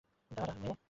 দাঁড়া, নে।